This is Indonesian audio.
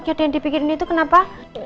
kira kira yang dipikirin itu kenapa